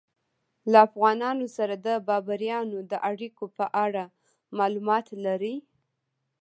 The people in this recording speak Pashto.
له افغانانو سره د بابریانو د اړیکو په اړه معلومات لرئ؟